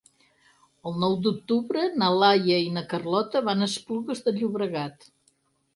El nou d'octubre na Laia i na Carlota van a Esplugues de Llobregat.